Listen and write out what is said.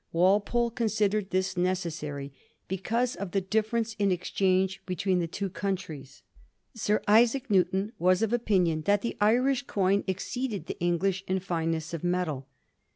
Walpole considered this necessary because of the difference in exchange between the two countries. Sir Isaac Newton was of opinion that the Irish coin exceeded the English in fineness of metal.